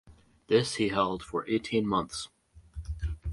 This he held for eighteen months.